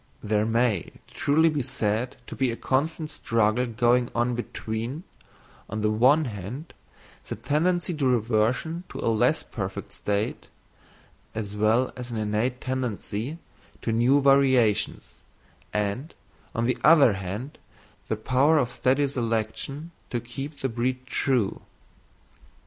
There may truly be said to be a constant struggle going on between, on the one hand, the tendency to reversion to a less perfect state, as well as an innate tendency to new variations, and, on the other hand, the power of steady selection to keep the breed true.